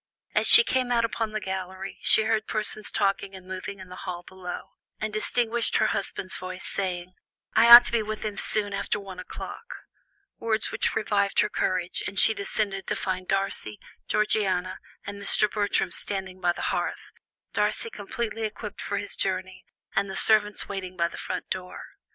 As she came out upon the gallery, she heard persons talking and moving in the hall below, and distinguished her husband's voice saying: "I ought to be with him soon after one o'clock," words which revived her courage, and she descended to find Darcy, Georgiana and Mr. Bertram standing by the hearth, Darcy completely equipped for his journey, and the servants waiting by the front door.